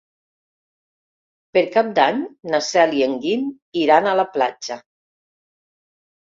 Per Cap d'Any na Cel i en Guim iran a la platja.